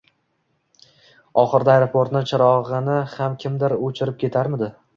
Oxirida aeroportni chirog‘ini ham kimdir o‘chirib ketarmidi...